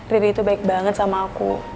diri itu baik banget sama aku